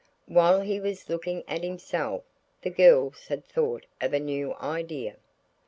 While he was looking at himself the girls had thought of a new idea.